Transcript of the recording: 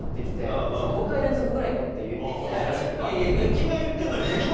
君が言ってるのは。